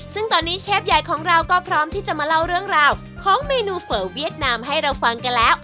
ซึ่งตอนนี้เชฟใหญ่ของเราก็พร้อมที่จะมาเล่าเรื่องราวของเมนูเฝอเวียดนามให้เราฟังกันแล้ว